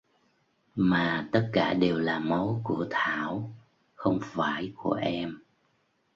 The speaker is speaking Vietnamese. Mà tất cả đều là máu của Thảo không phải của em